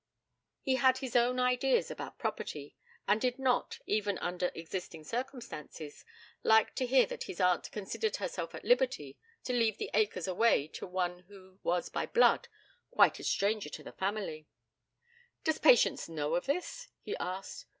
He had his own ideas about property, and did not, even under existing circumstances, like to hear that his aunt considered herself at liberty to leave the acres away to one who was by blood quite a stranger to the family. 'Does Patience know of this?' he asked.